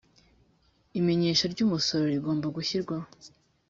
imenyesha ry umusoro rigomba gushyirwaho